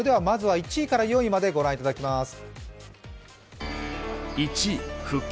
まずは１位から４位まで御覧いただきます。